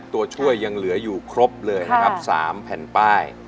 ตัวช่วยยังเหลืออยู่ครบเลยนะครับ๓แผ่นป้าย